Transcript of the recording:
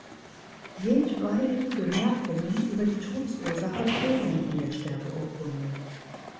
Jedweilige Bemerkungen über die Todesursache fehlen in der Sterbeurkunde.